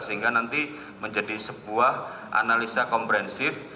sehingga nanti menjadi sebuah analisa komprehensif